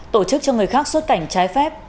tổ chức cho người khác xuất cảnh trái phép